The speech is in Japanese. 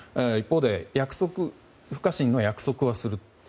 一方で、不可侵の約束はする。